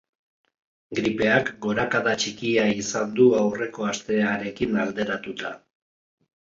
Gripeak gorakada txikia izan du aurreko astearekin alderatuta.